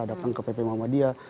datang ke pp muhammadiyah